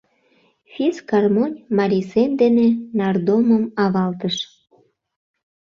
Фисгармонь марий сем дене нардомым авалтыш.